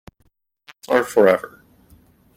Diamonds are forever.